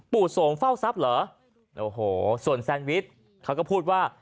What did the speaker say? ส่งเฝ้าทรัพย์เหรอโอ้โหส่วนแซนวิชเขาก็พูดว่า